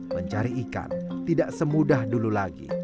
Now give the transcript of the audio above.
mencari ikan tidak semudah dulu lagi